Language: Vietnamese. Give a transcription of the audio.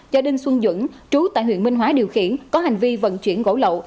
do đinh xuân dũng chú tại huyện minh hóa điều khiển có hành vi vận chuyển gỗ lậu